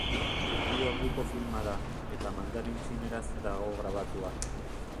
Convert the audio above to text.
Bi orduko filma da, eta mandarin-txineraz dago grabatua.